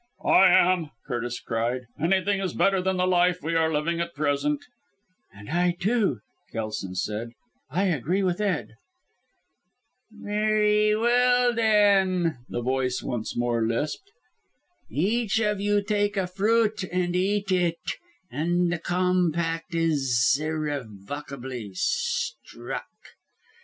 "I am!" Curtis cried. "Anything is better than the life we are living at present." "And I, too," Kelson said. "I agree with Ed." "Very well then," the voice once more lisped. "Each of you take a fruit and eat it, and the compact is irrevocably struck.